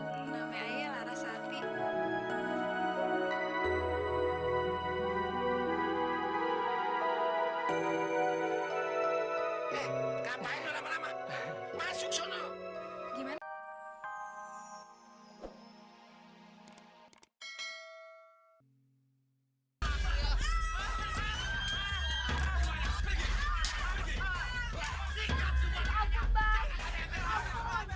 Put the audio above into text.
tangga kampung kampungnya pijak